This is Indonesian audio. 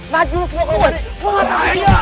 maju lo semua kalau berani